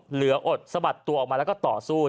เหลืออดสะบัดตัวออกมาแล้วก็ต่อสู้